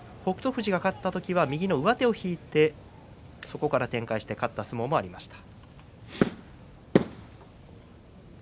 富士が勝った時は右の上手を引いて、そこから展開して勝った相撲もありました。